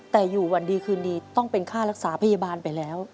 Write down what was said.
แต่อยู่วันดีคืนดีต้องเป็นค่ารักษาพยาบาลไปแล้ว